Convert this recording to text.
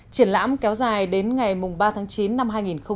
triển lãm kéo dài đến ngày ba tháng chín năm hai nghìn một mươi chín